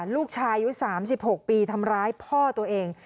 ลูกชายอายุ๓๖ปีทำร้ายพ่อตัวเอง